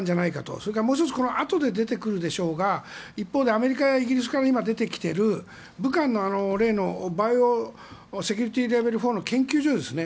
それからもう１つあとから出てくる一方でアメリカやイギリスから出てきている武漢の例のバイオセキュリティーレベル４の研究所ですね。